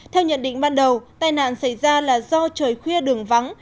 theo nhận định ban đầu tai nạn xảy ra là do trời khuya đường vắng